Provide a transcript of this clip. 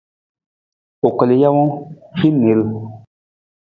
U kal jawang, hin niil.